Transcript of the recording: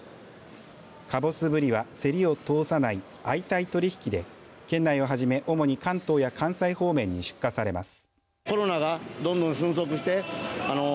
かぼすブリは競りを通さない相対取引で県内をはじめ主に関東や関西方面に出荷されます。